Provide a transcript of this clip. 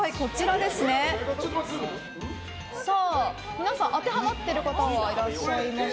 皆さん、当てはまっている方はいらっしゃいますか？